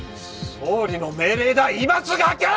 総理の命令だ今すぐ開けろ！